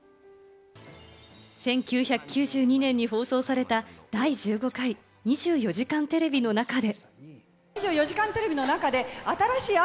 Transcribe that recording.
１９９２年に放送された第１５回『２４時間テレビ』の中で。